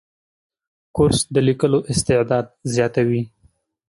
کورس د لیکلو استعداد زیاتوي.